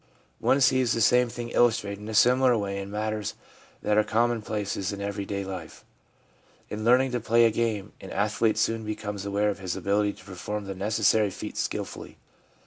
One sees the same thing illustrated in a smaller way in matters that are commonplaces of everyday life. In learning to play a game, an athlete soon becomes aware of his ability to perform the necessary feats skilfully.